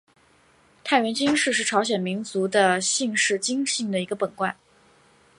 太原金氏是朝鲜民族的姓氏金姓的一个本贯。